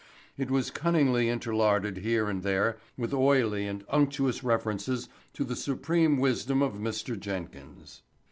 It was cunningly interlarded here and there with oily and unctuous references to the supreme wisdom of Mr. Jenkins.